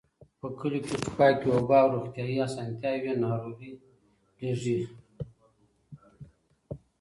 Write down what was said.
په کليو کې چې پاکې اوبه او روغتيايي اسانتیاوې وي، ناروغۍ لږېږي.